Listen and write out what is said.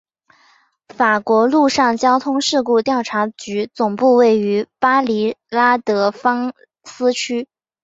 法国陆上交通事故调查局总部位于巴黎拉德芳斯区。